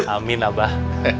amin lah abah